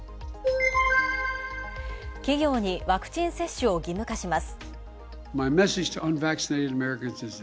企業にワクチン接種を義務化します。